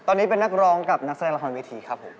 ตอนนี้เป็นนักร้องกับนักแสดงละครเวทีครับผม